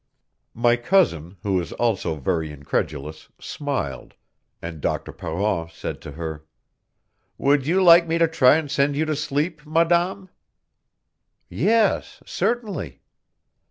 My cousin, who is also very incredulous, smiled, and Dr. Parent said to her: "Would you like me to try and send you to sleep, Madame?" "Yes, certainly."